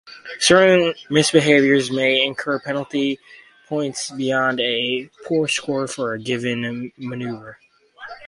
Certain misbehaviors may incur penalty points beyond a poor score for a given maneuver.